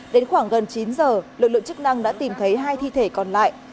đến khoảng gần chín giờ lực lượng chức năng đã tìm thấy hai thi thể còn lại